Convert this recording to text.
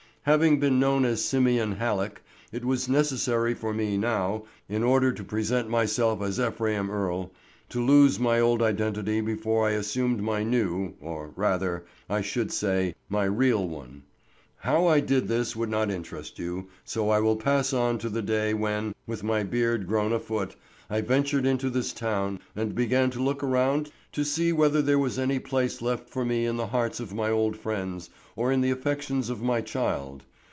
Having been known as Simeon Halleck, it was necessary for me now, in order to present myself as Ephraim Earle, to lose my old identity before I assumed my new,—or rather, I should say, my real one. How I did this would not interest you, so I will pass on to the day when, with my beard grown a foot, I ventured into this town and began to look around to see whether there was any place left for me in the hearts of my old friends or in the affections of my child.